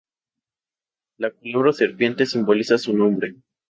La culebra o serpiente simboliza su nombre.